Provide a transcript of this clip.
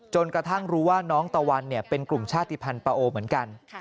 กระทั่งรู้ว่าน้องตะวันเป็นกลุ่มชาติภัณฑ์ปะโอเหมือนกัน